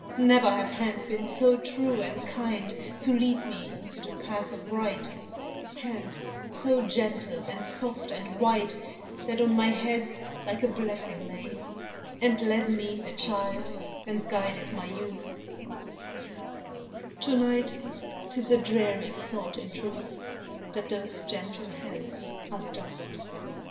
Never have hands been so true and kind, To lead me into the path of right Hands so gentle, and soft, and white, That on my head like a blessing lay, And led me a child and guided my youth; To night 'tis a dreary thought, in truth, That those gentle hands are dust.